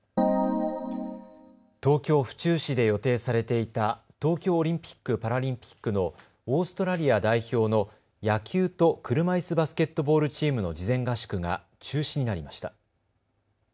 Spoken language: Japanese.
東京府中市で予定されていた東京オリンピック・パラリンピックのオーストラリア代表の野球と車いすバスケットボールチームの事前合宿が中止になりました。